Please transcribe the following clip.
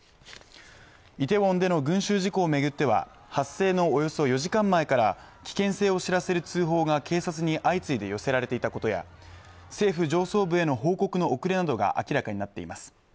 イテウォンでの群集事故を巡っては発生のおよそ４時間前から危険性を知らせる通報が警察に相次いで寄せられていたことや政府上層部への報告の遅れなどが明らかになっています。